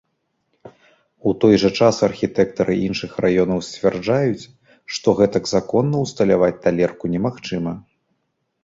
У той жа час архітэктары іншых раёнаў сцвярджаюць, што гэтак законна ўсталяваць талерку немагчыма.